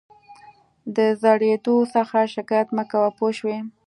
د زړېدو څخه شکایت مه کوه پوه شوې!.